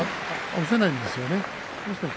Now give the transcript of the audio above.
押せないんですよ。